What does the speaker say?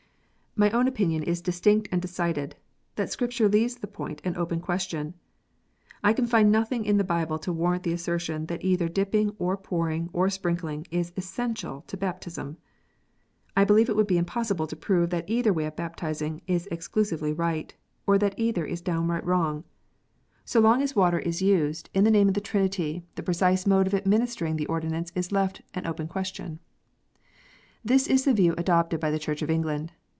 My own opinion is distinct and decided, that Scripture leaves the point an open question. I can find nothing in the Bible to warrant the assertion that either dipping, or pouring, or sprinkling, is essential to baptism. I believe it would be impossible to prove that either way of baptizing is exclusively right, or that either is downright wrong. So long as water is 92 KNOTS UNTIED. used in the name of the Trinity, the precise mode of admin istering the ordinance is left an open question. This is the view adopted by the Church of England.